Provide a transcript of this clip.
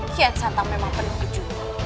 kiat santang memang penuh kejutan